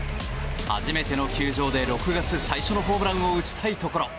初めての球場で６月最初のホームランを打ちたいところ。